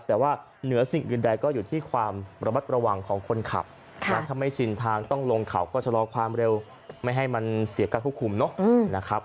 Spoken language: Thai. แต่ว่าเหนือสิ่งอื่นใดก็อยู่ที่ความระมัดระวังของคนขับถ้าไม่ชินทางต้องลงเขาก็ชะลอความเร็วไม่ให้มันเสียการควบคุมเนอะนะครับ